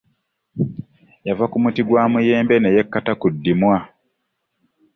Yava ku muti gwa muyembe ne yekkata ku ddimwa.